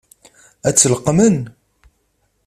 Ad tt-leqqmen?